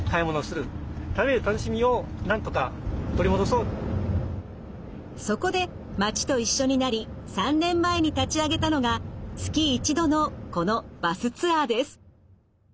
その一方でそこで町と一緒になり３年前に立ち上げたのが月一度のこのバスツアーです。